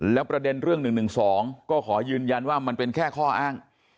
แล้วประเด็นเรื่องหนึ่งหนึ่งสองก็ขอยืนยันว่ามันเป็นแค่ข้ออ้าง